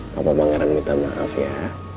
bapak pangeran minta maaf ya